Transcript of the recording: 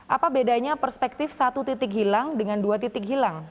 apa bedanya perspektif satu titik hilang dengan dua titik hilang